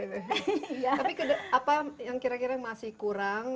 tapi apa yang kira kira masih kurang